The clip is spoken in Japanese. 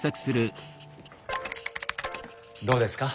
どうですか？